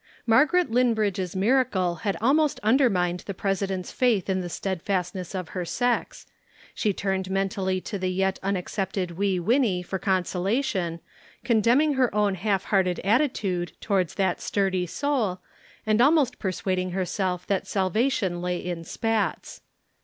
Margaret Linbridge's miracle had almost undermined the President's faith in the steadfastness of her sex; she turned mentally to the yet unaccepted Wee Winnie for consolation, condemning her own half hearted attitude towards that sturdy soul, and almost persuading herself that salvation lay in spats.